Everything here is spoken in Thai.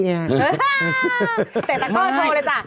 เตะตะโก้โชว์เลยจ้ะ